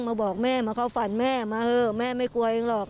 มาบอกแม่มาเข้าฝันแม่มาเถอะแม่ไม่กลัวเองหรอก